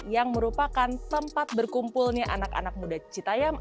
yang merupakan tempat berkumpulnya anak anak muda citayam